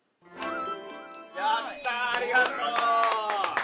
やったーありがとう！